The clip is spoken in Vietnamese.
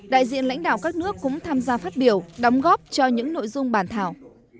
đại diện lãnh đạo các nước cũng tham gia phát biểu đóng góp cho những nội dung bản thảo